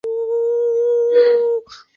他的父亲瞽叟是个盲人。